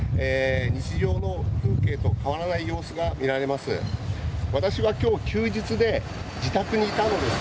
日常の風景と変わらない様子が見られます。